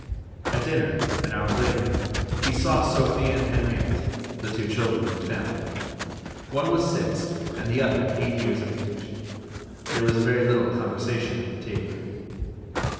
At dinner, an hour later, he saw Sophie and Henriette, the two children of the family, one was six and the other eight years of age. There was very little conversation at the table.